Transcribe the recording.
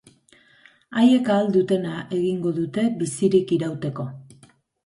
Haiek ahal dutena egingo dute bizirik irauteko.